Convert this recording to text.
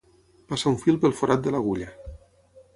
Passar un fil pel forat de l'agulla.